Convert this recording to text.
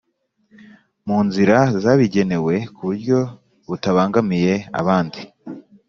mu nzira zabigenewe kuburyo butabangamiye abandi